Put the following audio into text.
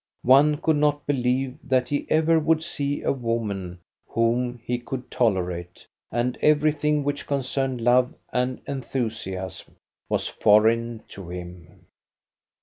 One could not believe that he ever would see a woman whom he could tolerate, and everything which concerned love and enthusiasm was foreign to him.